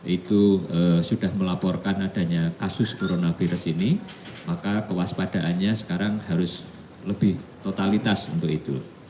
itu sudah melaporkan adanya kasus coronavirus ini maka kewaspadaannya sekarang harus lebih totalitas untuk itu